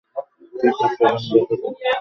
ঠিক আছে, এখানে দেখা যাক।